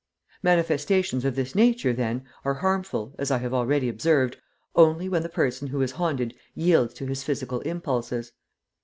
Manifestations of this nature, then, are harmful, as I have already observed, only when the person who is haunted yields to his physical impulses.